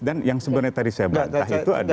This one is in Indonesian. dan yang sebenarnya tadi saya bantah itu adalah